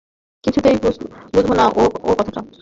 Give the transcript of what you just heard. কিছুতেই বুঝব না ও-কথাটা।